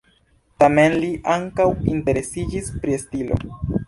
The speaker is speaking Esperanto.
Tamen li ankaŭ interesiĝis pri stilo.